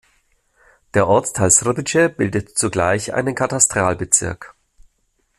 Der Ortsteil Srbice bildet zugleich einen Katastralbezirk.